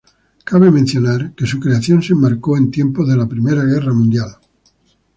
Cabe mencionar que su creación se enmarcó en tiempos de la primera guerra mundial.